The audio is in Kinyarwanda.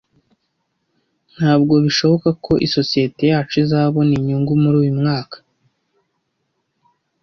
Ntabwo bishoboka ko isosiyete yacu izabona inyungu muri uyu mwaka.